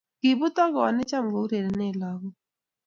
Kibutoko koot ne cham ku ureren lagok